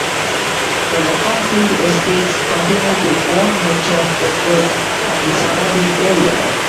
The Leconfield Estates continue to own much of Petworth and the surrounding area.